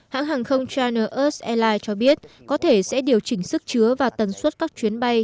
hãng hàng không china airs airlines cho biết có thể sẽ điều chỉnh sức chứa và tần suất các chuyến bay